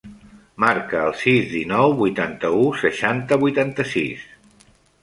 Marca el sis, dinou, vuitanta-u, seixanta, vuitanta-sis.